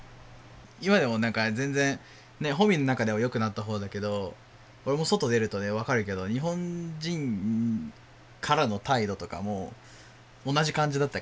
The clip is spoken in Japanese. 今でも何か全然保見の中では良くなったほうだけど俺も外出るとね分かるけど日本人からの態度とかも同じ感じだったから。